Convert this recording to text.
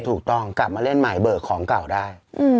ถูกต้องกลับมาเล่นใหม่เบิกของเก่าได้